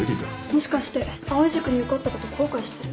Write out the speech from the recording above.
もしかして藍井塾に受かったこと後悔してる？